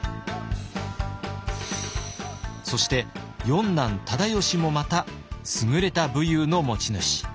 そして四男忠吉もまた優れた武勇の持ち主。